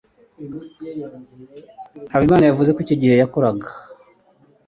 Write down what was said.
Habimana yavuze ko icyo gihe yakoraga.